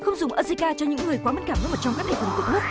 không dùng azica cho những người quá mất cảm như một trong các hệ phần cực mất